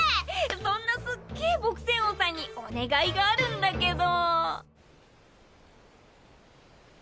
そんなすっげ朴仙翁さんにお願いがあるんだけど。